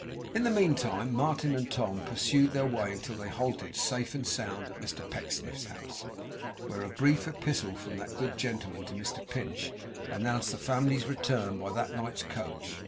In the meantime, Martin and Tom pursued their way, until they halted, safe and sound, at Mr Pecksniff's house, where a brief epistle from that good gentleman to Mr Pinch announced the family's return by that night's coach.